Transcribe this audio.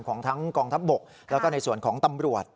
ของทั้งกองทัพบกแล้วก็ในส่วนของตำรวจ